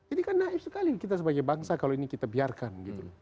ini kan naif sekali kita sebagai bangsa kalau ini kita biarkan